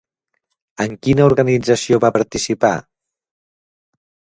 En quina organització va participar?